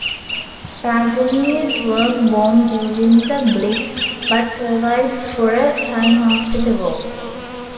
Pagani's was bombed during the blitz but survived for a time after the war.